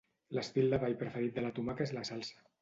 L'estil de ball preferit de la tomaca és la salsa.